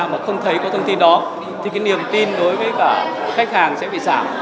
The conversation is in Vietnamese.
mà không thấy có thông tin đó thì niềm tin đối với khách hàng sẽ bị giảm